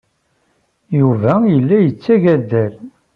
Yuba yella yetteg addal.